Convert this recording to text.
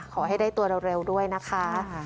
ขอให้ได้ตัวเร็วด้วยนะคะ